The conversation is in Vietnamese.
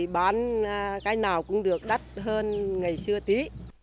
bán cái nào cũng được đắt hơn ngày xưa tí